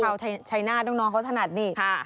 เขาใช้หน้าด้วยน้องเขาถนัดนี่